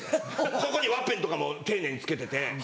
ここにワッペンとかも丁寧に付けてて。